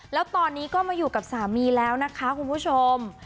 แล้วตอนนี้ก็มาอยู่กับสามีแล้วนะคะคุณผู้ชม